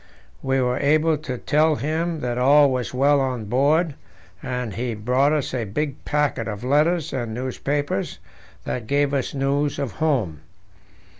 We were able to tell him that all was well on board, and he brought us a big packet of letters and newspapers that gave us news of home.